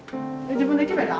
自分で決めた？